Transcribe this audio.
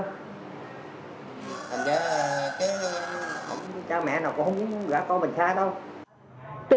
thành ra cha mẹ nào cũng không muốn gã con mình khác đâu